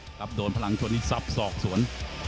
ครับโดนพลังชนนี้ซับศอกสวน